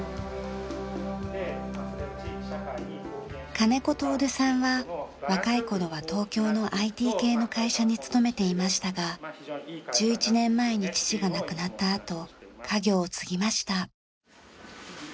金子達さんは若い頃は東京のＩＴ系の会社に勤めていましたが１１年前に父が亡くなった後家業を継ぎました。